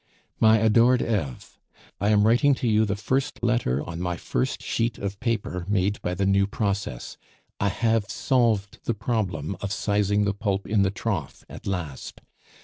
"MY ADORED EVE, I am writing to you the first letter on my first sheet of paper made by the new process. I have solved the problem of sizing the pulp in the trough at last.